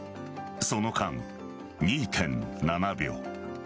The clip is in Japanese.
その間、２．７秒。